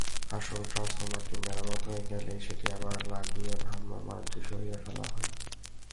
আসল ট্রান্সফরমারটি মেরামত হয়ে গেলেই সেটি আবার লাগিয়ে ভ্রাম্যমাণটি সরিয়ে ফেলা হয়।